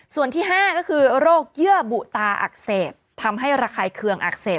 ส่วนที่๕ก็คือโรคเยื่อบุตาอักเสบทำให้ระคายเคืองอักเสบ